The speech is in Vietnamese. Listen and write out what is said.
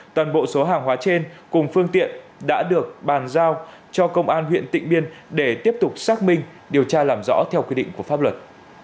toàn bộ số hàng hóa trên cùng phương tiện đã được bàn giao cho công an huyện tịnh biên để tiếp tục xác minh điều tra làm rõ theo quy định của pháp luật